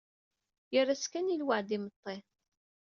Yerra-tt kan i lweɛd n yimeṭṭi.